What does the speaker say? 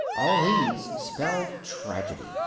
All these spelled tragedy.